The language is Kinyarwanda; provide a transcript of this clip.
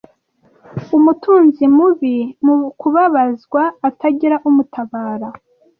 Umutunzi mubui mu kubabazwa atagira umutabara,